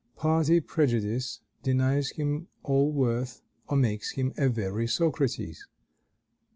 Party prejudice denies him all worth, or makes him a very Socrates.